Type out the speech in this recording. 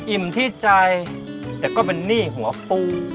อิ่มที่ใจแต่ก็เป็นหนี้หัวฟู